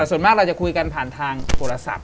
ส่วนมากเราจะคุยกันผ่านทางโทรศัพท์